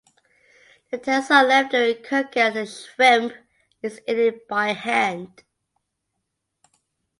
The tails are left during cooking as the shrimp is eaten by hand.